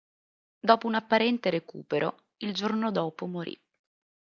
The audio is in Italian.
Dopo un apparente recupero, il giorno dopo morì.